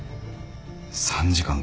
３時間か。